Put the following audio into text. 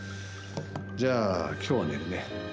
じゃあ、今日は寝るね。